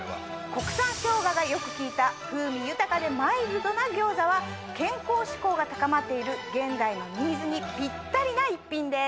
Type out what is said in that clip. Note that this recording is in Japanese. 国産生姜がよく効いた風味豊かでマイルドな餃子は健康志向が高まっている現代のニーズにぴったりな一品です。